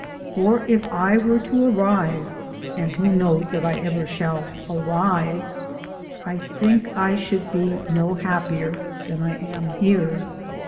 For if I were to arrive and who knows that I ever shall arrive? I think I should be no happier than I am here.